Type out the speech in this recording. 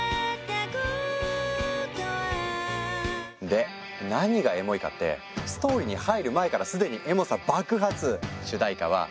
で何がエモいかってストーリーに入る前から既にエモさ爆発！